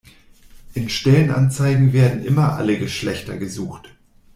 In Stellenanzeigen werden immer alle Geschlechter gesucht.